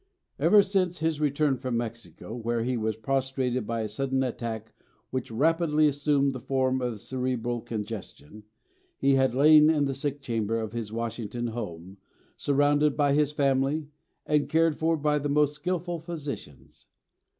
Ever since his return from Mexico, where he was prostrated by a sudden attack which rapidly assumed the form of cerebral congestion, he had lain in the sick chamber of his Washington home, surrounded by his family and cared for by the most skilful physicians.